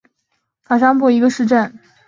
卡尚布是巴西米纳斯吉拉斯州的一个市镇。